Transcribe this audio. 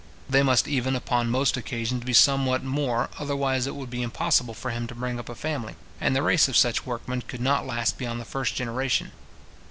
They must even upon most occasions be somewhat more, otherwise it would be impossible for him to bring up a family, and the race of such workmen could not last beyond the first generation.